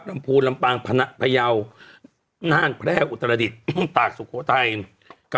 ลำพูลำปางพระยาวนั่งแพร่อุตรดิษฐ์ตากสุโขไทย